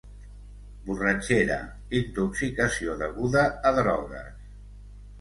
Borratxera, intoxicació deguda a drogues.